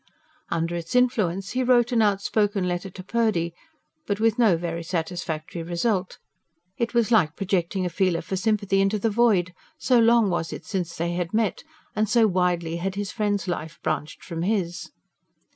Under its influence he wrote an outspoken letter to Purdy but with no very satisfactory result. It was like projecting a feeler for sympathy into the void, so long was it since they had met, and so widely had his friend's life branched from his.